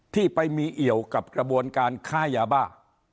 ที่ไปมีเอี่ยวกับกระบวนการค้ายาบ้า